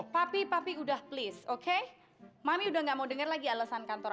papi papi udah please oke mami udah gak mau dengar lagi alasan kantor